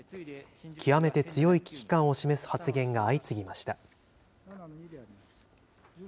極めて強い危機感を示す発言が相次ぎました。